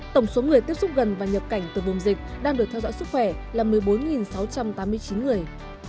tổng số người tiếp xúc gần và nhập cảnh từ vùng dịch đang được theo dõi sức khỏe là một mươi bốn sáu trăm tám mươi chín người